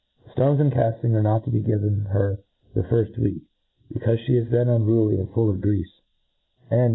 ., Stones and icafting are not t<> be given her the firft week, becaufe fhe is then unruly and full of greafe ; and